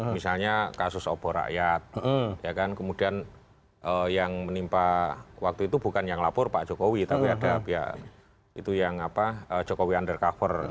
misalnya kasus obor rakyat kemudian yang menimpa waktu itu bukan yang lapor pak jokowi tapi ada pihak itu yang jokowi undercover